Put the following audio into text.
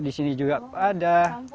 di sini juga ada